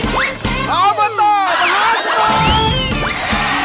อบเตอร์บริษัทสุโน้ท